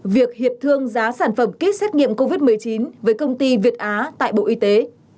việc hiệp thương giá sản phẩm kýt xét nghiệm covid một mươi chín với công ty việt á tại bộ y tế